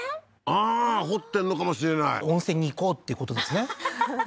ああー掘ってんのかもしれない「温泉に行こう」っていうことですねははは